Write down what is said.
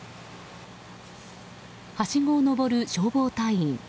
はしごを登る消防隊員。